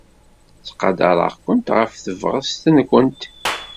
Ttqadareɣ-kent ɣef tebɣest-nwent.